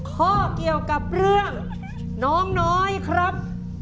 ข้อเกี่ยวกับเรื่องน้องน้อยครับ